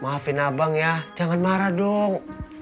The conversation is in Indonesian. maafin abang ya jangan marah dong